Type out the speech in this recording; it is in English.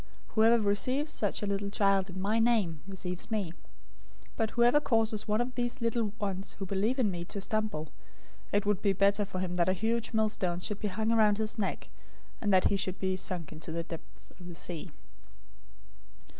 018:005 Whoever receives one such little child in my name receives me, 018:006 but whoever causes one of these little ones who believe in me to stumble, it would be better for him that a huge millstone should be hung around his neck, and that he should be sunk in the depths of the sea.